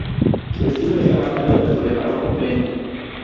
Su estilo está marcado dentro del Barroco pleno.